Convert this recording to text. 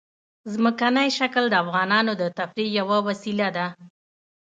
ځمکنی شکل د افغانانو د تفریح یوه وسیله ده.